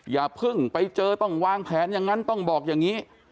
อย่าเพิ่งไปเจอต้องวางแผนอย่างนั้นต้องบอกอย่างนี้